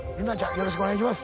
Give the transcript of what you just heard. よろしくお願いします。